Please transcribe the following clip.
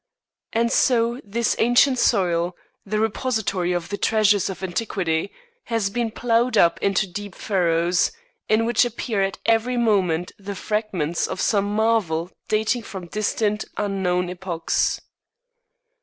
And so this ancient soil, the repository of the treasures of antiquity, has been ploughed up into deep furrows, in which appear at every moment the fragments of some marvel dating from distant, unknown epochs.